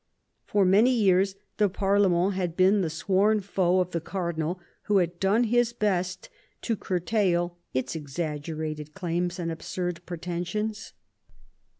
For many years the parlement had been the sworn foe of the cardinal, who had done his best to curtail its exaggerated claims and absurd pretensions.